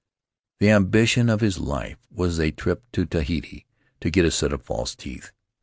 The ambi tion of his life was a trip to Tahiti to get a set of false teeth.